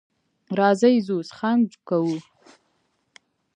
راځئ ځو څخنک کوو.